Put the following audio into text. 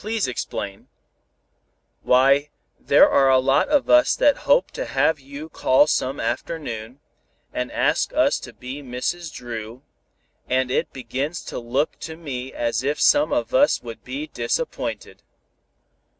"Please explain." "Why, there are a lot of us that hope to have you call some afternoon, and ask us to be Mrs. Dru, and it begins to look to me as if some of us would be disappointed."